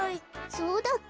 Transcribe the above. そうだっけ？